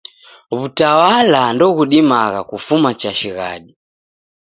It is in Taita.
W'utawala ndoghudimagha kufuma chashighadi.